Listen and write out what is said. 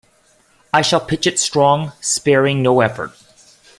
I shall pitch it strong, sparing no effort.